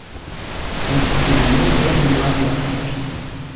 Ainsi que de nombreux mémoires et articles.